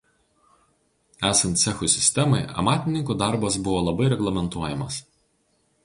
Esant cechų sistemai amatininkų darbas buvo labai reglamentuojamas.